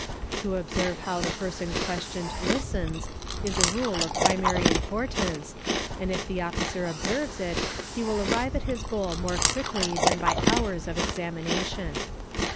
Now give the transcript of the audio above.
'To observe how the person questioned listens is a rule of primary importance, and if the officer observes it, he will arrive at his goal more quickly than by hours of examination.